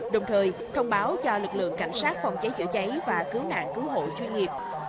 đồng thời thông báo cho lực lượng cảnh sát phòng cháy chữa cháy và cứu nạn cứu hộ chuyên nghiệp